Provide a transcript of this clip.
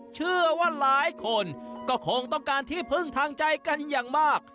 เชื่อว่าหลายคนก็คงต้องการที่พึ่งทางใจกันอย่างมาก